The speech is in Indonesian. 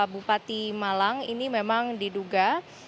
bupati malang ini memang diduga